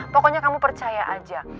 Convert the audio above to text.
pokoknya kamu percaya aja